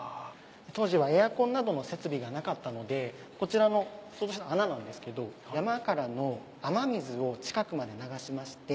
当時はエアコンなどの設備がなかったのでこちらの穴なんですけど。という取り組みをしていました。